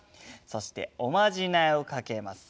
そしておまじないをかけます。